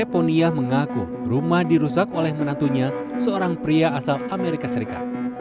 eponia mengaku rumah dirusak oleh menantunya seorang pria asal amerika serikat